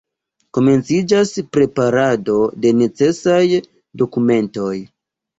Komenciĝas preparado de necesaj dokumentoj.